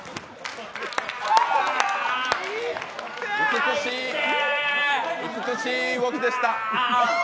美しい、美しい動きでした。